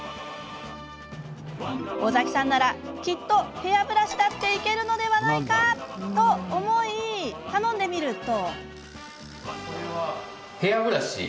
尾崎さんならきっとヘアブラシだっていけるのではないかと思って頼んでみると。